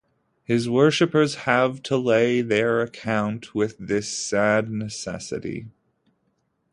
His worshipers have to lay their account with this sad necessity.